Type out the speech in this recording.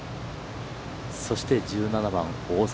そして、１７番、大里。